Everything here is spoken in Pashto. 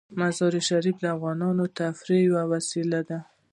مزارشریف د افغانانو د تفریح یوه وسیله ده.